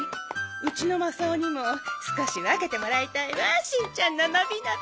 うちのマサオにも少し分けてもらいたいわしんちゃんののびのび。